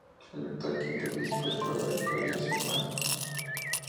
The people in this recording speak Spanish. El actual y quinto obispo es Robert Joseph McManus.